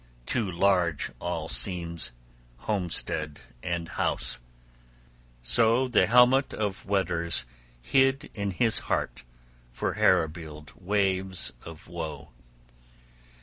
Too large all seems, homestead and house. So the helmet of Weders hid in his heart for Herebeald waves of woe.